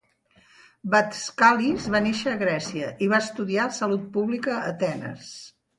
Vatskalis va néixer a Grècia i va estudiar salut pública a Atenes.